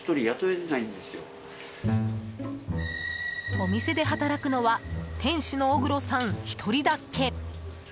お店で働くのは店主の小黒さん１人だけ。